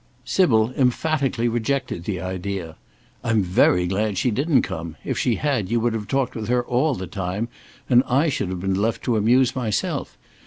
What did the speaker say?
Sybil emphatically rejected the idea: "I'm very glad she didn't come. If she had, you would have talked with her all the time, and I should have been left to amuse myself.